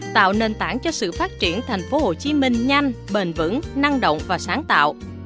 tạo nền tảng cho sự phát triển thành phố hồ chí minh nhanh bền vững năng động và sáng tạo